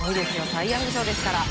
サイ・ヤング賞ですから。